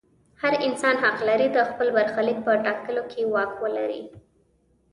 هر انسان حق لري د خپل برخلیک په ټاکلو کې واک ولري.